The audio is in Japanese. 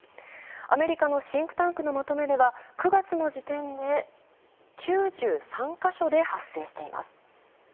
アメリカのシンクタンクのまとめでは９月の時点で９３か所で発生しています。